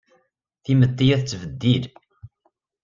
Timetti a tettbeddil.